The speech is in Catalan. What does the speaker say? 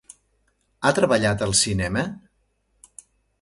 Ha treballat al cinema?